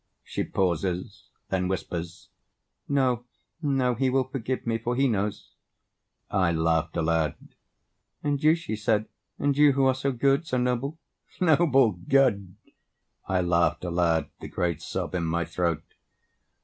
She pauses: then whispers: "No, no, He will forgive me, for He knows!" I laughed aloud: "And you," she said, "and you, Who are so good, so noble" ... "Noble? Good?" I laughed aloud, the great sob in my throat.